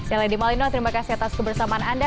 saya lady malino terima kasih atas kebersamaan anda